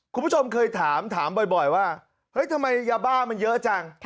คุณผู้ชมเคยถามถามบ่อยว่าเฮ้ยทำไมยาบ้ามันเยอะจัง